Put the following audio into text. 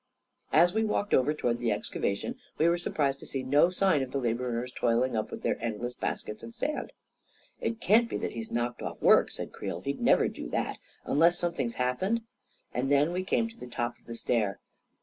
As we walked over toward the excavation, we were surprised to see no sign of the laborers toiling up with their endless baskets of sand. " It can't be that he's knocked off work," said Creel. " He'd never do that — unless something's happened." And then we came to the top of the stair.